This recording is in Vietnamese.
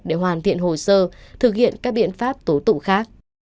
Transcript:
để hoàn thiện hồ sơ thực hiện các biện pháp tố tụng khác